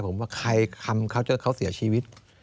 ผมว่าใครทำเขาจนเขาเสียชีวิต